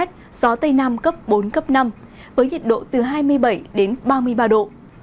gió tây nam cấp bốn năm với nhiệt độ từ hai mươi bảy ba mươi ba độ